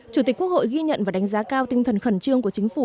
chủ tịch quốc hội ghi nhận và đánh giá cao tinh thần khẩn trương của chính phủ